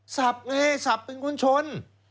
ศัพท์ไงศัพท์เป็นคุณชน